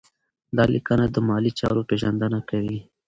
دا لیکنه د مالي چارو پیژندنه کوي.